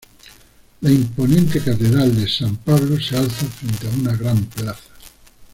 La imponente Catedral de San Pablo se alza frente a una gran plaza.